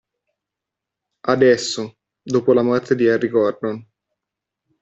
Adesso, dopo la morte di Harry Gordon.